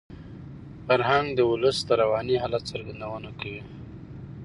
فرهنګ د ولس د رواني حالت څرګندونه کوي.